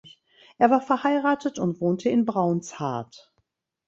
Er war verheiratet und wohnte in Braunshardt.